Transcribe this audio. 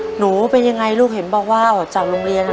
หนูเป็นยังไงลูกเห็นบอกว่าออกจากโรงเรียน